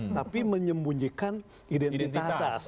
tapi menyembunyikan identitas